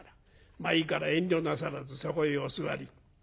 まあいいから遠慮なさらずそこへお座り。